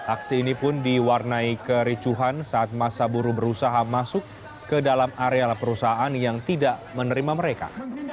aksi ini pun diwarnai kericuhan saat masa buruh berusaha masuk ke dalam area perusahaan yang tidak menerima mereka